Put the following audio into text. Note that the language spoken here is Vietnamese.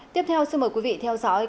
tiếp theo xin mời quý vị theo dõi